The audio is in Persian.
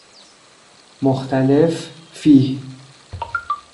مختلف فیه